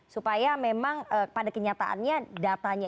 supaya memang pada kenyataannya datanya